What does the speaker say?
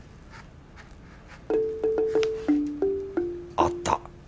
あった。